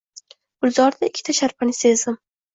Gulzorda ikkita sharpani sezdim